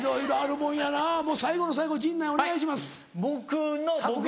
もう最後の最後陣内お願いします格言。